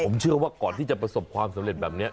ผมเชื่อว่าก่อนที่จะประสบความสำเร็จแบบนี้